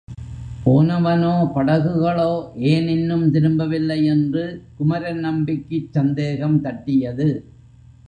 போனவனோ, படகுகளோ ஏன் இன்னும் திரும்பவில்லை என்று குமரன் நம்பிக்குச் சந்தேகம் தட்டியது.